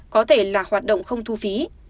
có thể là hoạt động không thu phí